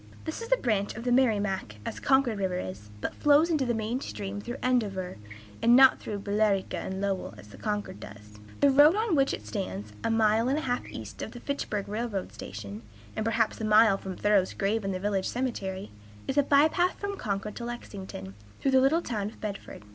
(This is a branch of the Merrimac, as Concord River is, but flows into the main stream through Andover, and not through Billerica and Lowell, as the Concord does.) The road on which it stands, a mile and a half east of the Fitchburg railroad station, and perhaps a mile from Thoreau's grave in the village cemetery, is a by path from Concord to Lexington, through the little town of Bedford.